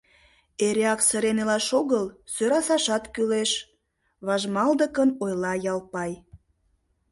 Эреак сырен илаш огыл, сӧрасашат кӱлеш, — важмалдыкын ойла Ялпай.